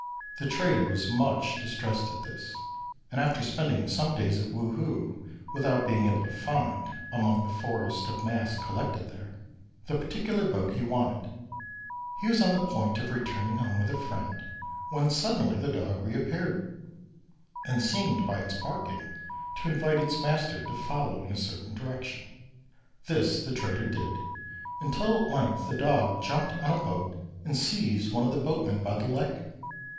The trader was much distressed at this; and after spending some days at Wu hu without being able to find, among the forest of masts collected there, the particular boat he wanted, he was on the point of returning home with a friend, when suddenly the dog re appeared and seemed by its barking to invite its master to follow in a certain direction. This the trader did, until at length the dog jumped on a boat and seized one of the boatmen by the leg.